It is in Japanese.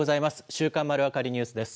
週刊まるわかりニュースです。